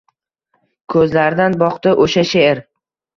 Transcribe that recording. Ko’zlaridan boqdi o’sha she’r.